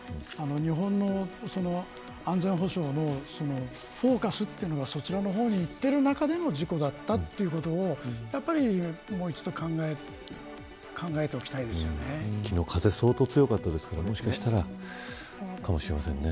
日本の安全保障のフォーカスがそちらの方にいっている中での事故だったということをやっぱり、もう一度昨日は風が相当強かったですからもしかしたらかもしれませんね。